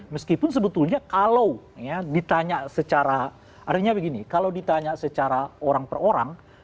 meskipun sebetulnya kalau ditanya secara artinya begini kalau ditanya secara orang per orang